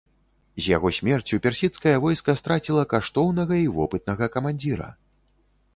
З яго смерцю персідскае войска страціла каштоўнага і вопытнага камандзіра.